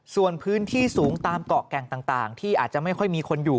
ส่วนพื้นที่สูงตามเกาะแก่งต่างที่อาจจะไม่ค่อยมีคนอยู่